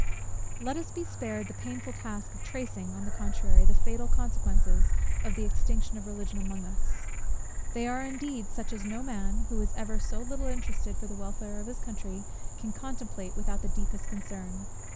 Let us be spared the painful task of tracing, on the contrary, the fatal consequences of the extinction of Religion among us. They are indeed such as no man, who is ever so little interested for the welfare of his country, can contemplate without the deepest concern.